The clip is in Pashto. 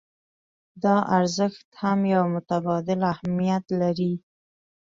دا ارزښت هم يو متبادل اهميت لري.